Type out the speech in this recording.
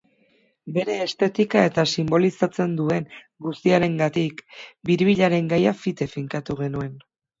Bere estetika eta sinbolizatzen duen guziarengatik, biribilaren gaia fite finkatu genuen.